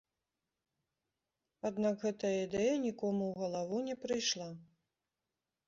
Аднак гэтая ідэя нікому ў галаву не прыйшла.